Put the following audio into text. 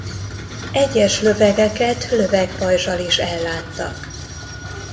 Egyes lövegeket lövegpajzzsal is elláttak.